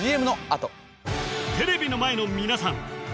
テレビの前の皆さん